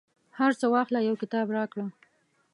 هرڅه واخله، یو کتاب راکړه